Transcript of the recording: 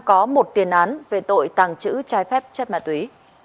có một tiền án về tội tăng chữ trái phép chất ma túy